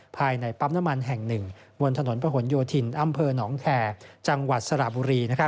ภายในปั๊มน้ำมันแห่งหนึ่งบนถนนประหลโยธินอำเภอหนองแคร์จังหวัดสระบุรี